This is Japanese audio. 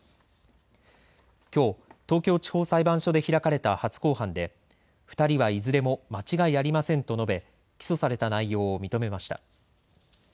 きょう東京地方裁判所で開かれた初公判で２人はいずれも間違いありませんと述べ起訴された内容を認めました。